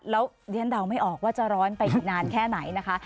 แล้วเรียนเดาไม่ออกว่าจะร้อนไปอีกนานแค่ไหนนะคะ